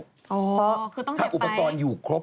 อ๋อคือต้องเจ็บไปถ้าอุปกรณ์อยู่ครบ